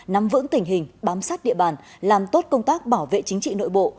nắm vững tình hình bám sát địa bàn làm tốt công tác bảo vệ chính trị nội bộ